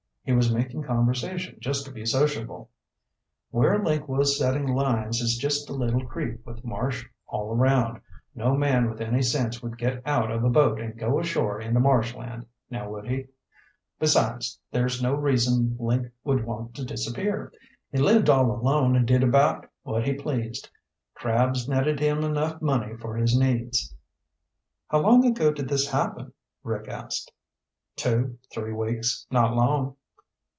He was making conversation just to be sociable. "Where Link was settin' lines is just a little creek with marsh all around. No man with any sense would get out of a boat and go ashore into marshland, now would he? Besides, there's no reason Link would want to disappear. He lived all alone and did about what he pleased. Crabs netted him enough money for his needs." "How long ago did this happen?" Rick asked. "Two, three weeks. Not long."